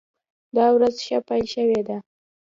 دا ورځ ښه پیل شوې ده.